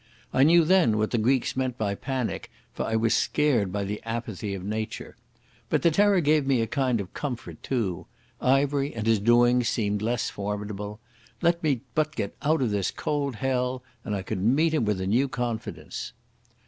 I knew then what the Greeks meant by panic, for I was scared by the apathy of nature. But the terror gave me a kind of comfort, too. Ivery and his doings seemed less formidable. Let me but get out of this cold hell and I could meet him with a new confidence.